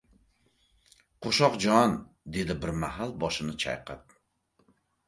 — Qo‘shoqjon!— dedi bir mahal boshini chayqab.